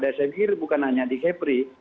dan saya pikir bukan hanya di kps